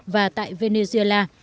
và tại venezuela